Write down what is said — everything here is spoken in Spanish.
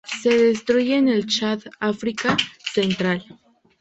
Se distribuye en el Chad, África Central.